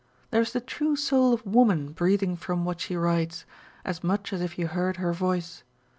There is the true soul of woman breathing from what she writes, as much as if you heard her voice.